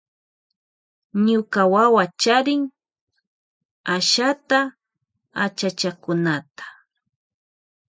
Ñuka wawa charin ashtaka achachakunata.